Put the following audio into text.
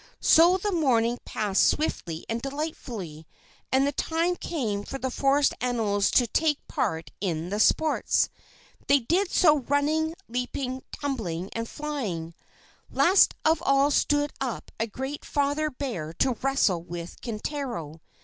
So the morning passed swiftly and delightfully, and the time came for the forest animals to take part in the sports. They did so running, leaping, tumbling, and flying. Last of all stood up a great father bear to wrestle with Kintaro.